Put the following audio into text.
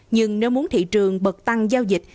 nhưng nếu muốn thị trường bật tăng giao dịch